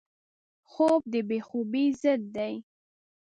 خوب د بې خوبۍ ضد دی